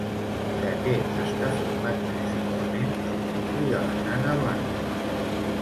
De què està format principalment el nucli de la nana blanca?